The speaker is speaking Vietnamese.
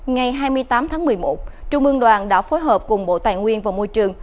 ngày hai mươi tám tháng một mươi một trung ương đoàn đã phối hợp cùng bộ tài nguyên và môi trường